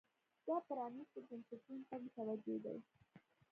دا پرانیستو بنسټونو ته متوجې دي.